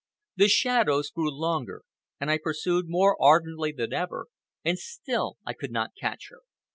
The shadows grew longer, and I pursued more ardently than ever, and still I could not catch her.